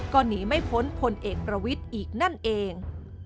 ก็หนีไม่พ้นพลเอกประวิทย์อีกนั่นเอง